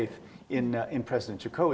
pada presiden jokowi